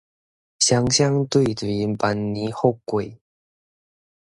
雙雙對對，萬年富貴